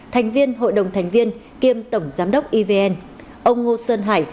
thành viên hội đồng thành viên kiêm tổng giám đốc evn ông ngô sơn hải